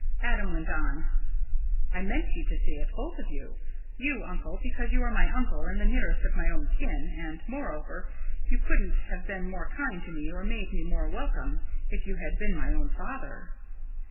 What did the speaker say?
Adam went on: "I meant you to see it both of you. You, uncle, because you are my uncle and the nearest of my own kin, and, moreover, you couldn't have been more kind to me or made me more welcome if you had been my own father."